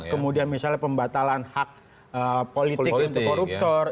kemudian misalnya pembatalan hak politik untuk koruptor